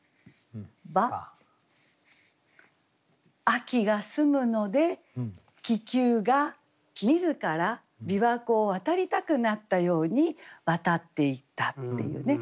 秋が澄むので気球が自ら琵琶湖をわたりたくなったようにわたっていったっていうね。